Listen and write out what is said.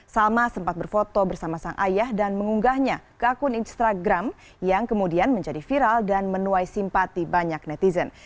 salma sempat berfoto bersama sang ayah dan mengunggahnya ke akun instagram yang kemudian menjadi viral dan menuai simpati banyak netizen